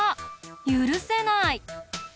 ゆるせない。